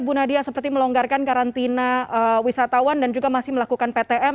bu nadia seperti melonggarkan karantina wisatawan dan juga masih melakukan ptm